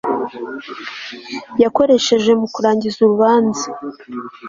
yakoreshejwe mu kurangiza urubanza